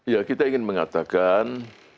ya kita ingin mengatakan